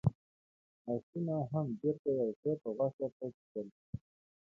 آسونه هم بېرته يو څه په غوښه پټ شول.